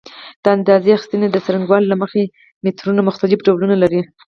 د اندازه اخیستنې د څرنګوالي له مخې مترونه مختلف ډولونه لري.